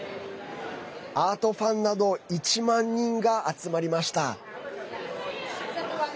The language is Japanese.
アートファンなど１万人が集まりました。